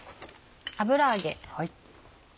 油揚げ。